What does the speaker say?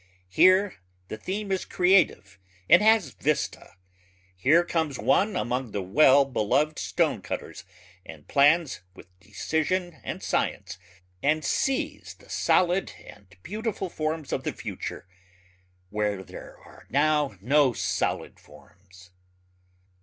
Here the theme is creative and has vista. Here comes one among the well beloved stonecutters and plans with decision and science and sees the solid and beautiful forms of the future where there are now no solid forms.